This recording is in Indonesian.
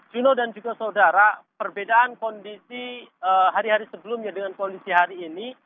vino dan juga saudara perbedaan kondisi hari hari sebelumnya dengan kondisi hari ini